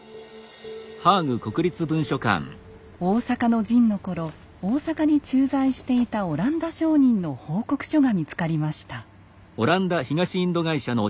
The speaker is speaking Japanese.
大坂の陣の頃大坂に駐在していたオランダ商人の報告書が見つかりました。